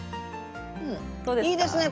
いいですね